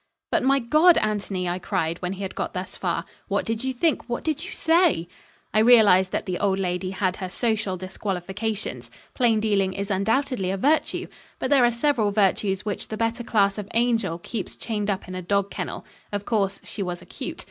"But, my God, Anthony!" I cried, when he had got thus far, "What did you think? What did you say?" I realised that the old lady had her social disqualifications. Plain dealing is undoubtedly a virtue. But there are several virtues which the better class of angel keeps chained up in a dog kennel. Of course she was acute.